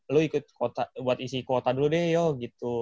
lo ikut buat isi kuota dulu deh yuk gitu